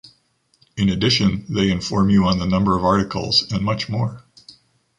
In addition, they inform you on the number of articles and much more!